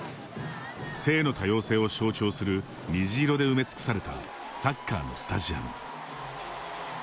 性の多様性を象徴する虹色で埋め尽くされたサッカーのスタジアム。